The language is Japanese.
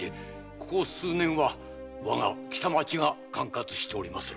ここ数年我が北町が管轄しておりまする。